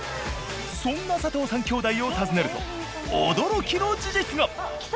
そんな佐藤三兄弟を訪ねると驚きの事実が！